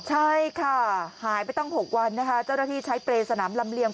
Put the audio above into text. ใช่ค่ะหายไปตั้ง๖วันนะคะเจ้าหน้าที่ใช้เปรย์สนามลำเลียง